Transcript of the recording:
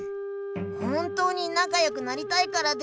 本当になかよくなりたいからでしょうか？